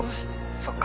そっか。